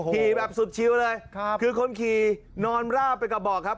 ขี่แบบสุดชิวเลยครับคือคนขี่นอนราบไปกระบอกครับ